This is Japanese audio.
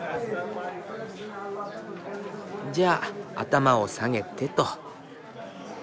じゃあ頭を下げてと。